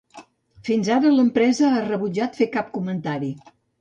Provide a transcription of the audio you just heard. Fins ara, l'empresa ha rebutjat fer cap comentari.